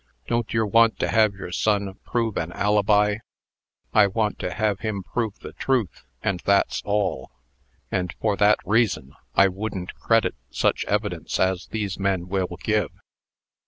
Don't yer want to have yer son prove an alibi?" "I want to have him prove the truth, and that's all. And for that reason I wouldn't credit such evidence as these men will give."